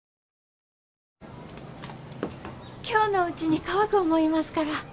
今日のうちに乾く思いますから。